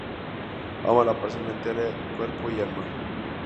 Ama la persona entera, cuerpo y alma.